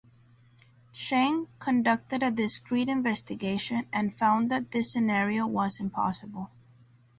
Cheng conducted a discreet investigation and found that this scenario was impossible.